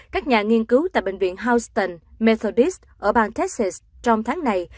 các nhà nghiên cứu tại bệnh viện houston methodist ở bang texas trong tháng này